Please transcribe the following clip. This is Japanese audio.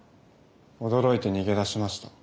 驚いて逃げ出しました。